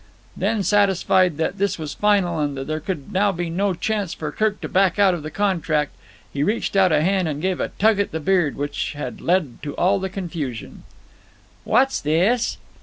Then, satisfied that this was final and that there could now be no chance for Kirk to back out of the contract, he reached out a hand and gave a tug at the beard which had led to all the confusion. "What's this?"